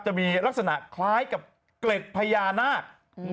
จะมีลักษณะคล้ายกับเกล็ดพญานาค